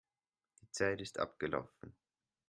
Die Zeit ist abgelaufen.